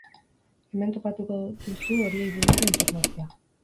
Hemen topatuko duzu horiei buruzko informazioa.